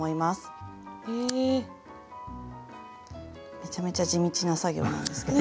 めちゃめちゃ地道な作業なんですけど。